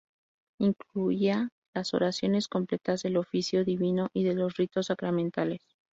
Incluía las oraciones completas del Oficio divino y de los ritos sacramentales.